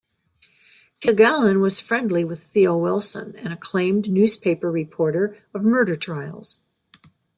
Kilgallen was friendly with Theo Wilson, an acclaimed newspaper reporter of murder trials.